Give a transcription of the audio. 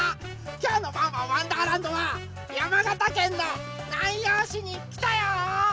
きょうの「ワンワンわんだーらんど」は山形県の南陽市にきたよ！